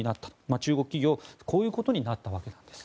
中国企業はこういうことになったわけです。